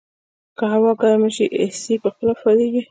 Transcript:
که هوا ګرمه وي، اې سي په خپله فعاله کېږي.